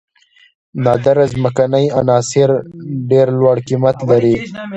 نادره ځمکنۍ عناصر ډیر لوړ قیمت لري.